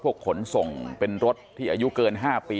ขนส่งเป็นรถที่อายุเกิน๕ปี